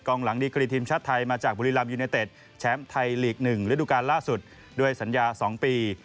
หลังดีกรีทีมชาติไทยมาจากบุรีรัมยูเนเต็ดแชมป์ไทยลีก๑ฤดูการล่าสุดด้วยสัญญา๒ปี